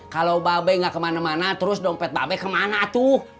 kalo babe ga kemana dua terus dompet babe kemana tuh